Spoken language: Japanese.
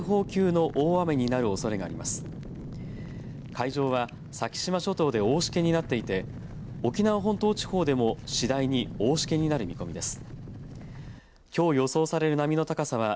海上は先島諸島で大しけになっていて沖縄本島地方でも次第に大しけになる見込みです。